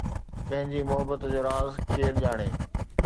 ڪنهن جي محبت جو راز ڪير ڄاڻي